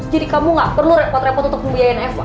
jadi kamu gak perlu repot repot untuk ngebiayain eva